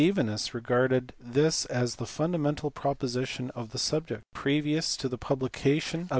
Stevinus regarded this as the fundamental proposition of the subject; previous to the publication of his 1866, pp.